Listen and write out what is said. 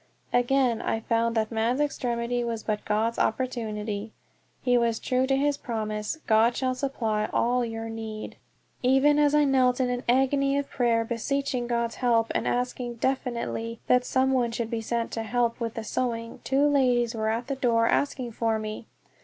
Again I found that man's extremity was but God's opportunity. He was true to his promise, "God shall supply all your need." Even as I knelt in an agony of prayer, beseeching God's help, and asking definitely that some one should be sent to me to help with the sewing, two ladies were at the door asking for me!